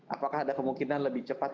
apakah ada kemungkinan lebih cepat